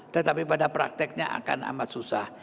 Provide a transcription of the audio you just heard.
tetapi pada prakteknya akan amat susah